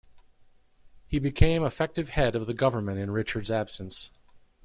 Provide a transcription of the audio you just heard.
He became effective head of the government in Richard's absence.